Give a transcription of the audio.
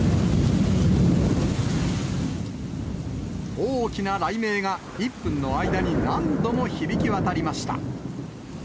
大きな雷鳴が、１分の間に何度も響き渡りました。